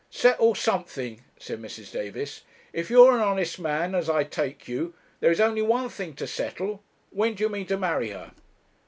'Settle something,' said Mrs. Davis. 'If you are an honest man, as I take you, there is only one thing to settle; when do you mean to marry her?'